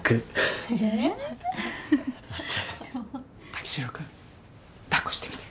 武四郎君抱っこしてみて。